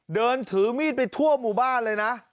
เดินถือมีดไปทั่วหมู่บ้านเลยนะ